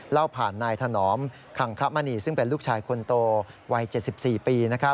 เล่าผ่านนายถนอมคังคมณีซึ่งเป็นลูกชายคนโตวัย๗๔ปี